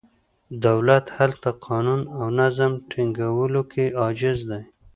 دولت هلته قانون او نظم ټینګولو کې عاجز دی.